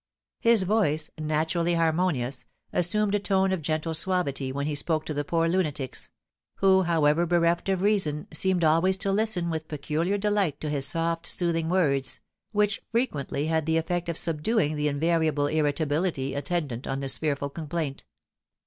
His voice, naturally harmonious, assumed a tone of gentle suavity when he spoke to the poor lunatics; who, however bereft of reason, seemed always to listen with peculiar delight to his soft, soothing words, which frequently had the effect of subduing the invariable irritability attendant on this fearful complaint.